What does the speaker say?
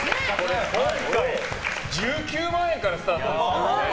今回、１９万円からスタートですからね。